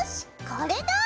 これだ！